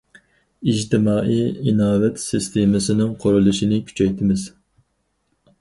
ئىجتىمائىي ئىناۋەت سىستېمىسىنىڭ قۇرۇلۇشىنى كۈچەيتىمىز.